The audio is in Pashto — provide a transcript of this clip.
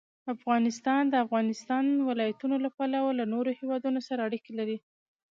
افغانستان د د افغانستان ولايتونه له پلوه له نورو هېوادونو سره اړیکې لري.